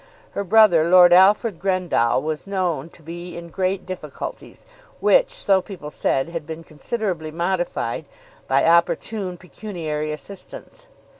Her brother, Lord Alfred Grendall, was known to be in great difficulties, which, so people said, had been considerably modified by opportune pecuniary assistance.